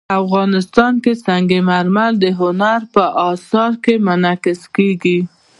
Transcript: افغانستان کې سنگ مرمر د هنر په اثار کې منعکس کېږي.